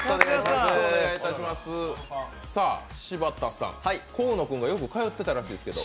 柴田さん、河野くんがよく通ってたらしいですけど。